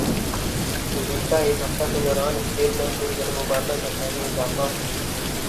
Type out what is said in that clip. گزشتہ ایک ہفتہ کے دوران اسٹیٹ بینک کے زرمبادلہ ذخائر میں اضافہ